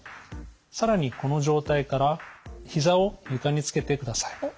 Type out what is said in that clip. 更にこの状態からひざを床につけてください。